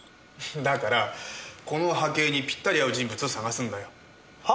だからこの波形にぴったり合う人物を探すんだよ。は？